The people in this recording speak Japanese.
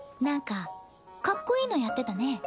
なんかかっこいいのやってたね。